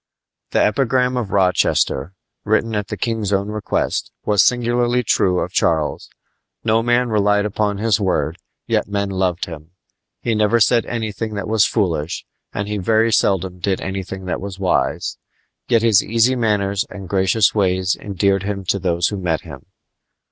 The epigram of Rochester, written at the king's own request, was singularly true of Charles. No man relied upon his word, yet men loved him. He never said anything that was foolish, and he very seldom did anything that was wise; yet his easy manners and gracious ways endeared him to those who met him.